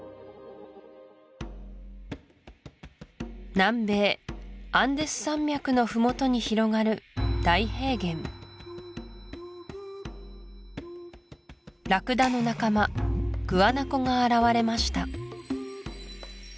南米アンデス山脈のふもとに広がる大平原ラクダの仲間グアナコが現れました